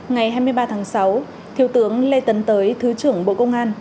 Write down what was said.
ngày hai mươi ba tháng sáu thiếu tướng lê tấn tới thứ trưởng bộ công an